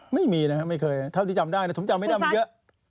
ไม่มีนะไม่เคยเท่าที่จำได้แต่ถึงจำไม่ได้มันเยอะ